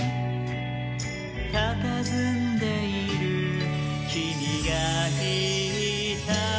「たたずんでいるきみがいた」